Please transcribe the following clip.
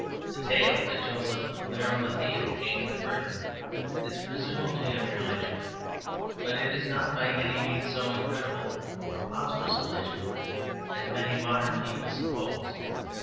The tale that Joseph of Arimathea came to Britain is presumably a mere legend. But it is not by any means so incredible or preposterous a legend as many modern people suppose.